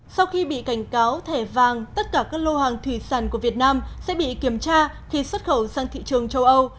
sau khi bị cảnh cáo thẻ vàng tất cả các lô hàng thủy sản của việt nam sẽ bị kiểm tra khi xuất khẩu sang thị trường châu âu